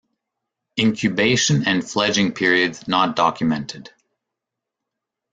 Incubation and fledging periods not documented.